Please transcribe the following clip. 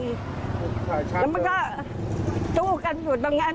แล้วมันก็สู้กันอยู่ตรงนั้น